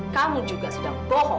kamu juga sudah bohong